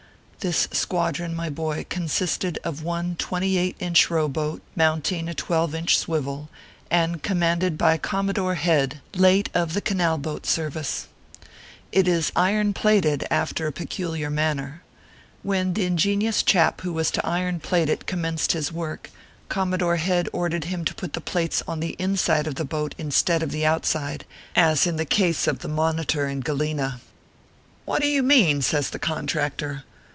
This squadron, my boy, consisted of one twenty eiglit inch row boat, mounting a twelve inch swivel, and commanded by Commodore Head, late of the Canal boat Service. It is iron plated after a peculiar manner. When the ingenious chap who was to iron plate it commenced his work, Commodore Head ordered him to put the plates on the inside of the boat, instead of outside, as in the case of the Moni tor and Galena. 308 ORPHEUS C. KEBR PAPERS. " What do you mean ?" says the contractor.